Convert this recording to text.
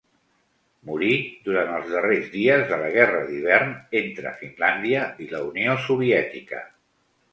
Morí durant els darrers dies de la Guerra d'hivern entre Finlàndia i la Unió Soviètica.